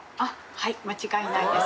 はい間違いないです。